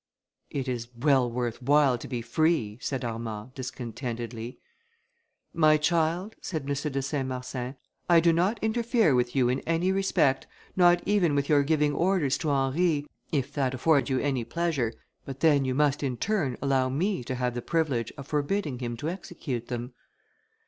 "It is well worth while to be free," said Armand, discontentedly. "My child," said M. de Saint Marsin, "I do not interfere with you in any respect, not even with your giving orders to Henry, if that affords you any pleasure; but then, you must, in turn, allow me to have the privilege of forbidding him to execute them."